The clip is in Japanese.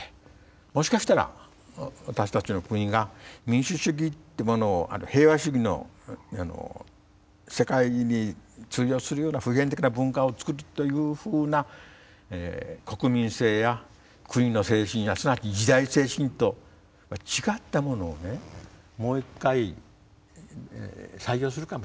もしかしたら私たちの国が民主主義ってものをあるいは平和主義の世界に通用するような普遍的な文化を作るというふうな国民性や国の精神やすなわち時代精神と違ったものをねもう一回採用するかもしれない。